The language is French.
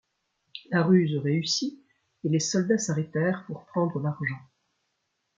La ruse réussit et les soldats s'arrêtèrent pour prendre l'argent.